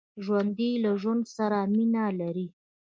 ژوندي له ژوند سره مینه لري